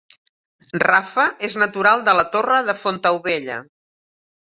Rafa és natural de la Torre de Fontaubella